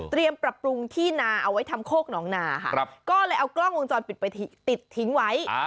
ปรับปรุงที่นาเอาไว้ทำโคกหนองนาค่ะก็เลยเอากล้องวงจรปิดไปติดทิ้งไว้